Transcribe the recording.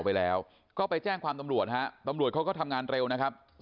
ไปแล้วก็ไปแจ้งความตำรวจฮะตำรวจเขาก็ทำงานเร็วนะครับ